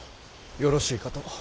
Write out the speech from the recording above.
よろしいかと。